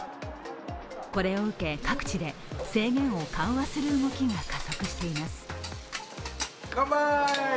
これを受け、各地で制限を緩和する動きが加速しています。